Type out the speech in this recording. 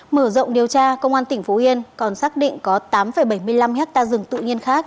mở rộng điều tra công an tỉnh phú yên còn xác định có tám bảy mươi năm hectare rừng tự nhiên khác